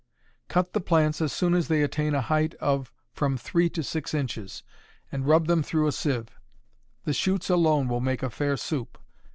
Cut the plants as soon as they attain a height of from three to six inches, and rub them through a sieve. The shoots alone will make a fair soup.